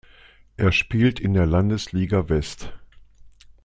Er spielt in der Landesliga West.